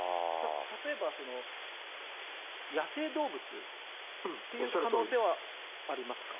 例えば野生動物っていう可能性はありますか？